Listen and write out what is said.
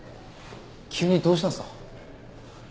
急にどうしたんすか？